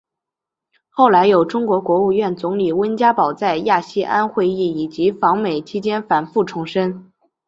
后来有中国国务院总理温家宝在亚细安会议以及访美期间反复重申。